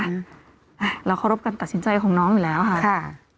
ละเรารบกันตัดสินใจของน้องแล้วค่ะ